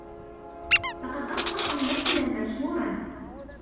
لقد أصبح ممثلا مشهورا.